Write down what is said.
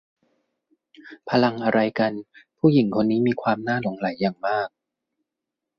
พลังอะไรกัน ผู้หญิงคนนี้มีความน่าหลงไหลอย่างมาก